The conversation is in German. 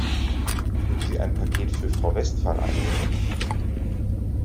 Würden Sie ein Paket für Frau Westphal annehmen?